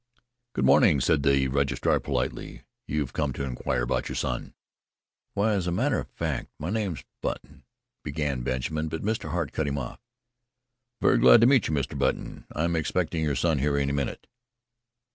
"Good morning," said the registrar politely. "You've come to inquire about your son." "Why, as a matter of fact, my name's Button " began Benjamin, but Mr. Hart cut him off. "I'm very glad to meet you, Mr. Button. I'm expecting your son here any minute."